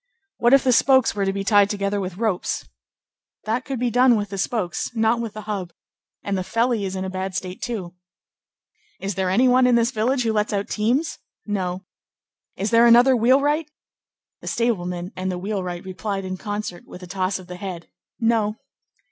"What if the spokes were to be tied together with ropes?" "That could be done with the spokes, not with the hub; and the felly is in a bad state, too." "Is there any one in this village who lets out teams?" "No." "Is there another wheelwright?" The stableman and the wheelwright replied in concert, with a toss of the head. "No."